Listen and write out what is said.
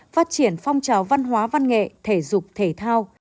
phát triển phong trào văn hóa văn nghệ thể dục thể thao